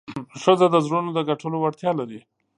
ښځه د زړونو د ګټلو وړتیا لري.